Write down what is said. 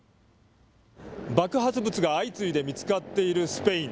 爆発物が相次いで見つかっているスペイン。